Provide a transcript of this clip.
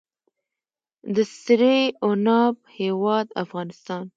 د سرې عناب هیواد افغانستان.